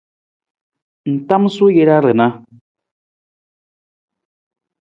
Ng tamasuu jara rana.